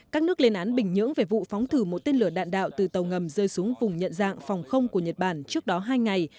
các nước lên án bình nhưỡng về vụ phóng thử một tên lửa đạn đạo từ tàu ngầm rơi xuống vùng nhận dạng phòng không của nhật bản trước đó hai ngày